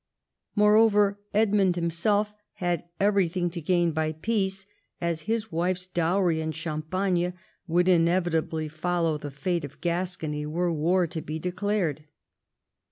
Moreover, Edmund himself had everything to gain by peace, as his wife's do'\^Ty in Champagne would inevitably follow the fate of Gascony, were war to be declared.